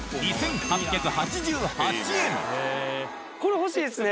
これ、欲しいですね。